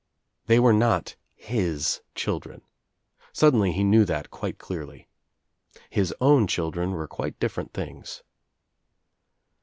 They were not his children. Suddenly he knew that quite clearly. His own children were quite different things.